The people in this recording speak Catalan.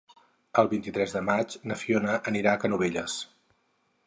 El vint-i-tres de maig na Fiona anirà a Canovelles.